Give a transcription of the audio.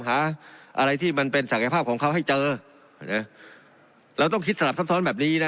หาอะไรที่มันเป็นศักยภาพของเขาให้เจอเราต้องคิดสลับซับซ้อนแบบนี้นะ